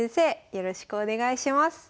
よろしくお願いします。